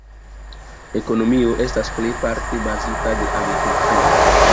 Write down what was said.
Ekonomio estas plejparte bazita de agrikulturo.